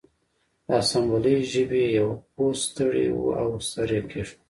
د اسامبلۍ ژبې پوه ستړی و او سر یې کیښود